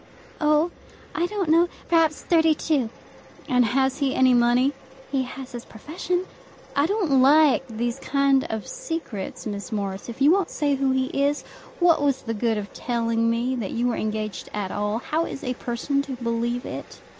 "Oh, I don't know; perhaps thirty two." "And has he any money?" "He has his profession." "I don't like these kind of secrets, Miss Morris. If you won't say who he is, what was the good of telling me that you were engaged at all? How is a person to believe it?"